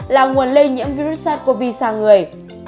là nguồn lây nhiễm virus sars cov sang người